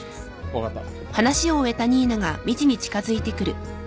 分かった。